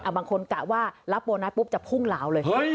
บางคนกะว่ารับโบนัสปุ๊บจะพุ่งเหลาเลย